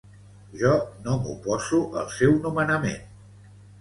Jo no m'oposo al seu nomenament.